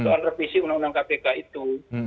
soal revisi undang undang kpk itu